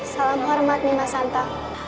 salam hormat nima santang